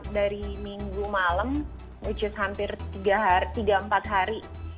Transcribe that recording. dari minggu malam which is hampir tiga empat hari